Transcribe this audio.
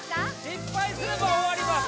失敗すれば終わります